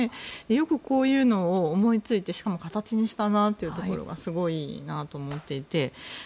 よくこういうのを思いついてしかも形にしたなというのがすごいなと思っていて。